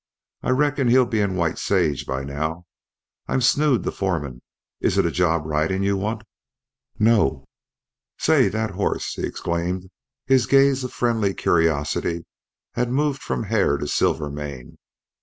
I reckon he'll be in White Sage by now. I'm Snood, the foreman. Is it a job ridin' you want?" "No." "Say! thet hoss " he exclaimed. His gaze of friendly curiosity had moved from Hare to Silvermane.